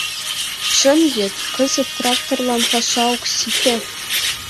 Чын вет, кызыт тракторлан паша ок сите.